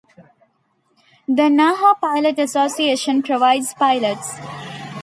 The "Naha Pilot Association" provides pilots.